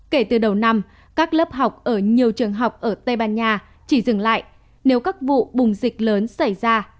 kể từ đầu năm các lớp học ở nhiều trường học ở tây ban nha chỉ dừng lại nếu các vụ bùng dịch lớn xảy ra